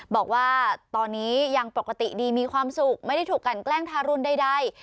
บอกว่าตอนนี้ยังปกติดีมีความสุขไม่ได้ถูกกันแกล้งทารุณใด